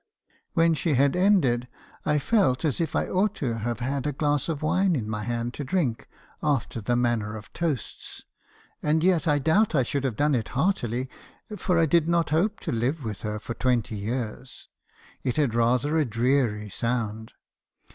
When she had ended , I felt as if I ought to have had a glass of wine in my hand to drink , after the manner of toasts. And yet I doubt if I should have done it heartily, for I did not hope to live with her for twenty years; it had rather a dreary sound.